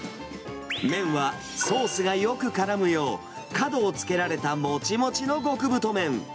麺はソースがよくからむよう、角をつけられたもちもちの極太麺。